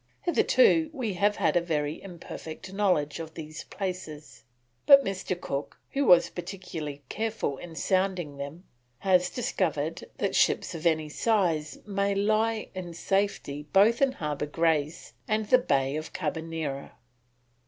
Hitherto we have had a very imperfect knowledge of these places, but Mr. Cook, who was particularly careful in sounding them, has discovered that ships of any size may lie in safety both in Harbour Grace and the Bay of Carbonera."